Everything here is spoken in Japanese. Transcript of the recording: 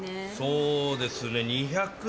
そうですね。